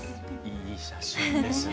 いい写真ですね。